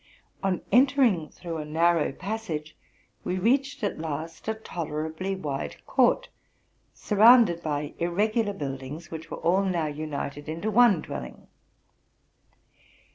On entering through a narrow passage, we reached at last a toler rably wide court, surrounded by irregular buildings, which were now all united into one dwelling.